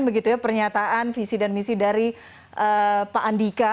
begitu ya pernyataan visi dan misi dari pak andika